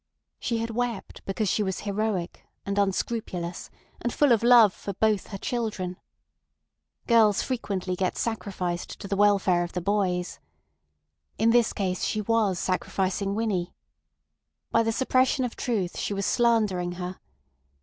She had wept because she was heroic and unscrupulous and full of love for both her children. Girls frequently get sacrificed to the welfare of the boys. In this case she was sacrificing Winnie. By the suppression of truth she was slandering her.